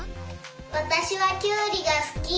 わたしはきゅうりがすき。